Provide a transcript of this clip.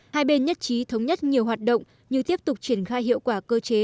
hai bên nhất trí thống nhất nhiều hoạt động như tiếp tục triển khai hiệu quả cơ chế